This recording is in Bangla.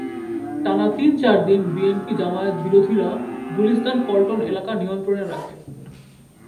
টানা তিন-চার দিন বিএনপি-জামায়াত বিরোধীরা গুলিস্তান-পল্টন এলাকা নিয়ন্ত্রণে রাখে।